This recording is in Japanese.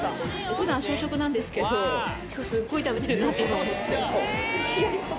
ふだん、小食なんですけど、きょう、すっごい食べてる。